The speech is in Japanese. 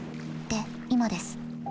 で今です。